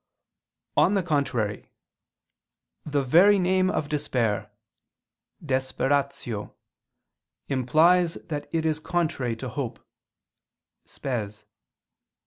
On the contrary, The very name of despair (desperatio) implies that it is contrary to hope (spes).